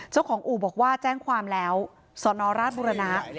อู่บอกว่าแจ้งความแล้วสอนอราชบุรณะ